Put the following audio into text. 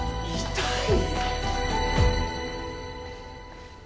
痛い！